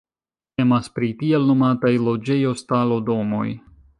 Temas pri tiel nomataj loĝejo-stalo-domoj.